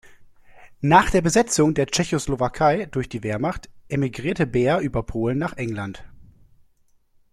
Nach der Besetzung der Tschechoslowakei durch die Wehrmacht emigrierte Beer über Polen nach England.